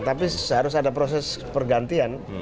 tapi harus ada proses pergantian